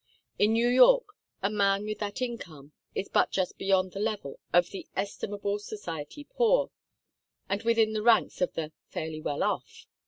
In New York a man with that income is but just beyond the level of the estimable society poor, and within the ranks of the 'fairly well off.